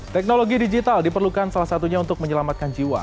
teknologi digital diperlukan salah satunya untuk menyelamatkan jiwa